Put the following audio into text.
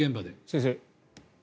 先生。